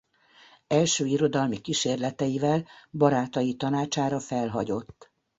Első irodalmi kísérleteivel barátai tanácsára felhagyott.